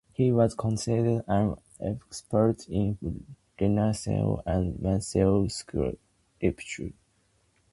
He was considered an expert in Renaissance and mannerist sculpture.